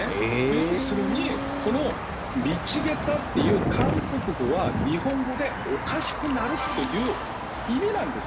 要するにこのミチゲッタっていう韓国語は日本語で、おかしくなるという意味なんです。